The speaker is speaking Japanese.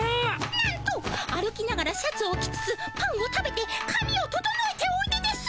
なんと歩きながらシャツを着つつパンを食べてかみを整えておいでです。